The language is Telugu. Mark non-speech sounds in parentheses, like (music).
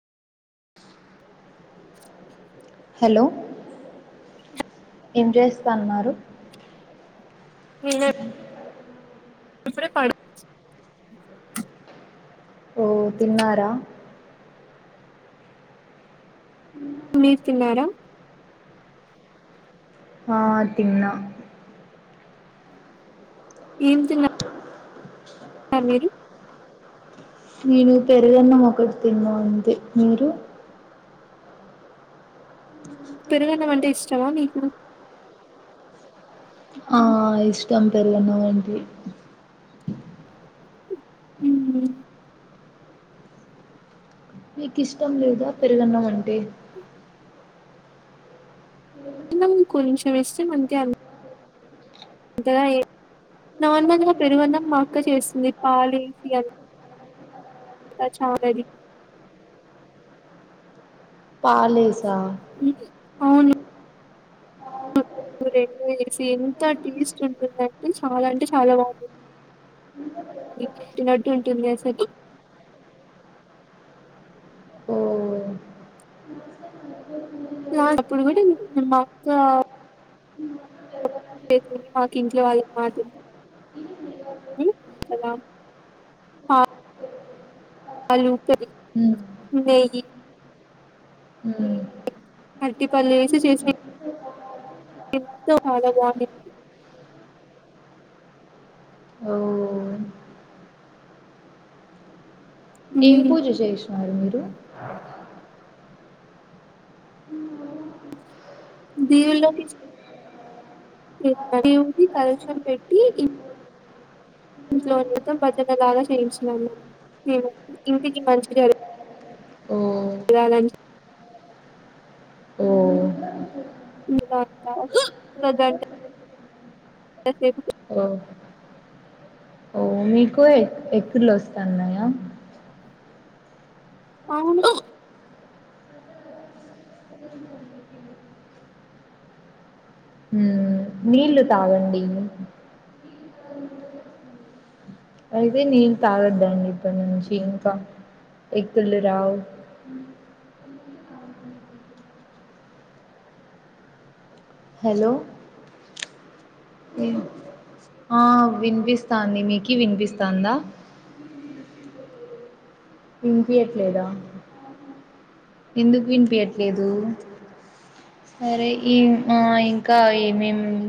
హలో ఏం చేస్తాన్నారు ఏం లే ఇప్పుడే పడుకో ఓ తిన్నారా మీరు తిన్నారా ఆ తిన్నా ఏం తిన్నారు స మీరు నేను పెరుగన్నం ఒకటి తిన్నా అంతే మీరు పెరుగన్నం అంటే ఇష్టమా మీకు ఆ ఇష్టం పెరుగన్నం అంటే హ మీకు ఇష్టం లేదా పెరుగన్నం అంటే ఎ కొంచెం ఇష్టం అంతే అంతగా నార్మల్ గా పెరుగన్నం మా అక్క చేస్తది పాలేసి అ చాది పాలేసా అవును నువ్వు రెండో వేసి ఎంత టేస్ట్ ఉంటుందింటే చాలా అంటే చాలా బాగుంది నటు ఉంటదీ అస్సలు ఓ ఇ ఇప్పుడు కూడా మత్త చేని మాకు ఇంట్లో వాళ్ళకి మాట ఉ ఎలా ఆ పాలు పెరుగు ఉమ్ నెయ్యి ఉమ్ అట్టిపల్లేసి చేసి ఎంతో చాలా బాగడిందీ ఓ ఏం పూజ చేసినన్నారు మీరు దిలోకి దేవుడికి కలశం పెట్టి ఇంట్లో భజన లాగా చేయించినాము ఇంటికి మంచిదని ఓ జరగాలని ఓ ఓ (unintelligible) ఓ మీకు ఎక్కిళ్ళు వస్తున్నాయా అవును నీళ్లు తాగండి అయితే నీళ్లు తాగొద్దండి ఎప్పటినుంచి ఇంకా ఎక్కిల్లు రావు హలో ఆ వినిపిస్తాంది మీకి వినిపిస్తాందా వినిపయట్లేదా ఎందుకు వినిపయట్లేదు సరే ఈ ఆ ఇంకా ఏమేం